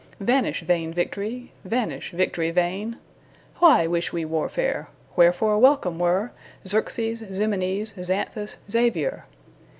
Vanish vain victory! vanish, victory vain! Why wish we warfare? Wherefore welcome were Xerxes, Ximenes, Xanthus, Xavier?